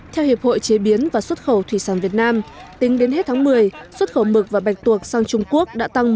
theo hiệp hội chế biến và xuất khẩu thủy sản việt nam tính đến hết tháng một mươi xuất khẩu mực và bạch tuộc sang trung quốc đã tăng một trăm sáu mươi tám